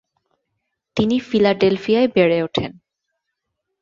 তিনি ফিলাডেলফিয়ায় বেড়ে ওঠেন।